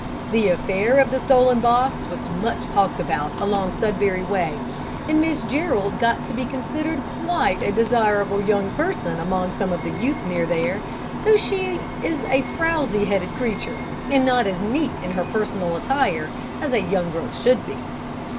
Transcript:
The affair of the stolen box was much talked about along Sudbury way, and Miss Jerrold got to be considered quite a desirable young person among some of the youth near there, though she is a frowsy headed creature, and not as neat in her personal attire as a young girl should be.